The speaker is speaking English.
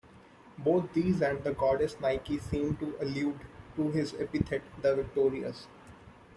Both these and the goddess Nike seem to allude to his epithet "the Victorious".